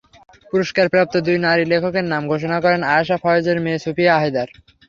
পুরস্কারপ্রাপ্ত দুই নারী লেখকের নাম ঘোষণা করেন আয়েশা ফয়েজের মেয়ে সুফিয়া হায়দার।